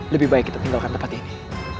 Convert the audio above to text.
lebih baik kita tinggalkan tempat ini